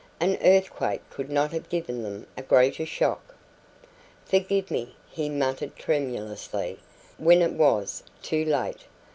An earthquake could not have given them a greater shock. "Forgive me," he muttered tremulously, when it was too late.